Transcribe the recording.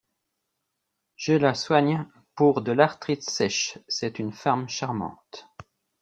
Je la soigne pour de l’arthrite sèche, c’est une femme charmante.